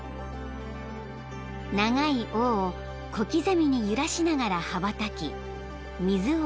［長い尾を小刻みに揺らしながら羽ばたき水を吸う］